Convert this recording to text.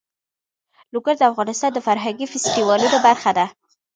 لوگر د افغانستان د فرهنګي فستیوالونو برخه ده.